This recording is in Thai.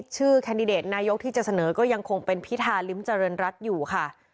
ชื่อแคนดิเดตนายกที่จะเสนอก็ยังคงเป็นพิธาริมเจริญรัฐอยู่ค่ะ